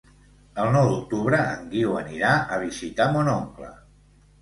El nou d'octubre en Guiu anirà a visitar mon oncle.